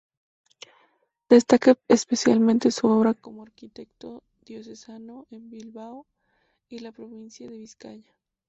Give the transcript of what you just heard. Destaca especialmente su obra como arquitecto diocesano en Bilbao y la provincia de Vizcaya.